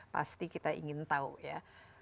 pasti kita ingin tahu ya